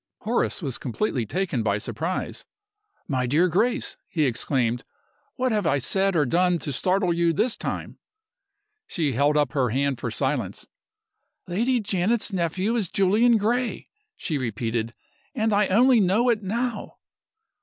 Horace was completely taken by surprise. "My dear Grace!" he exclaimed; "what have I said or done to startle you this time?" She held up her hand for silence. "Lady Janet's nephew is Julian Gray," she repeated; "and I only know it now!"